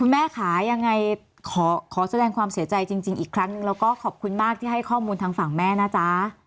แม่ค่ะยังไงขอแสดงความเสียใจจริงอีกครั้งหนึ่งแล้วก็ขอบคุณมากที่ให้ข้อมูลทางฝั่งแม่นะจ๊ะ